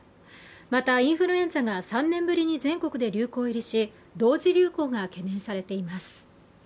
またインフルエンザが３年ぶりに全国で流行入りし同時流行が懸念されています。